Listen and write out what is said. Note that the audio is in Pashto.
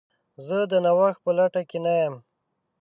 زه د نوښت په لټه کې نه یم.